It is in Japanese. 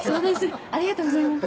ありがとうございます。